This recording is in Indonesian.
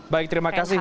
baik terima kasih